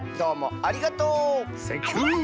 ありがとう！